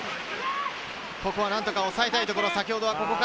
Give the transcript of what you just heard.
ここはなんとか抑えたいところ。